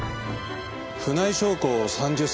船井翔子３０歳。